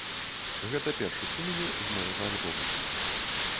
Гэта першы сінгл з новага альбома.